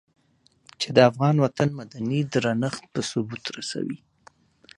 چې د افغان وطن مدني درنښت په ثبوت رسوي.